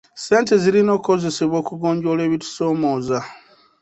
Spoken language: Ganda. Ssente zirina okukozesebwa okugonjoola ebitusoomooza.